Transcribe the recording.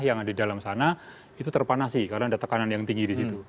yang ada di dalam sana itu terpanasi karena ada tekanan yang tinggi di situ